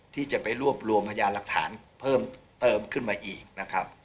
ที่จะไปรวบรวมพยานหลักฐานเพิ่มเติมขึ้นมาอีกนะครับ